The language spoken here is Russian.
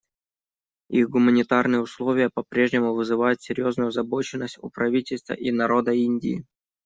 Их гуманитарные условия по-прежнему вызывают серьезную озабоченность у правительства и народа Индии.